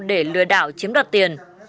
để lừa đảo chiếm đặt tiền